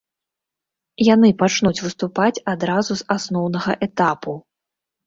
Яны пачнуць выступаць адразу з асноўнага этапу.